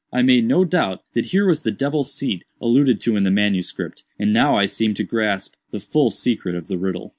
I made no doubt that here was the 'devil's seat' alluded to in the MS., and now I seemed to grasp the full secret of the riddle.